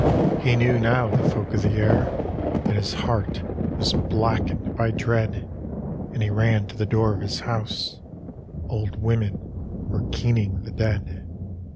He knew now the folk of the air. And his heart was blackened by dread, And he ran to the door of his house; Old women were keening the dead.